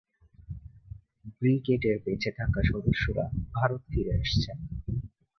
ব্রিগেডের বেঁচে থাকা সদস্যরা ভারতে ফিরে আসেন।